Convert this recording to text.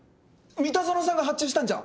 三田園さんが発注したんじゃ？